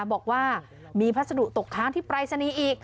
บอกว่ามีพัสดุตกค้างที่ปรายศนีย์อีก